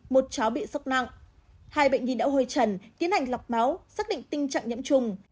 một cháu bị sốc nặng hai bệnh nhi đã hơi trần tiến hành lọc máu xác định tình trạng nhiễm trùng